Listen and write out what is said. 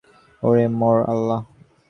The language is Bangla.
ওরে মোর আল্লাহ!